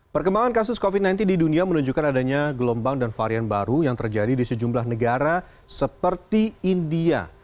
perkembangan kasus covid sembilan belas di dunia menunjukkan adanya gelombang dan varian baru yang terjadi di sejumlah negara seperti india